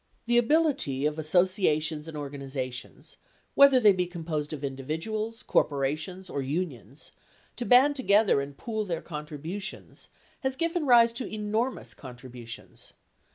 The ability of associations and organiza tions — whether they be composed of individuals, corporations, or un ions — to band together and pool their contributions has given rise to enormous contributions.